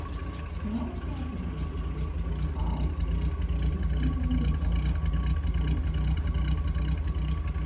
"Mainījās nosaukums – "Valsts Viskrievijas botānikas biedrība"."